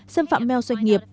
xâm phạm mail doanh nghiệp